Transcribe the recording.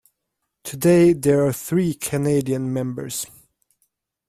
Today there are three Canadian members.